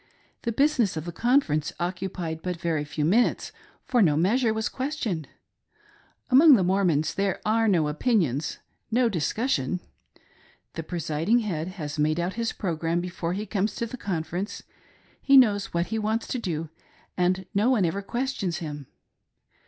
The business of the Conference occupied but very few minutes, for no measure was questioned. Among the Mormons there, are no opinions, no discussion. The presiding head has made out his programme before he comes to the conference ; he knows what he wants to do, and no one ever questions him.